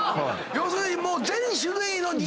要するに。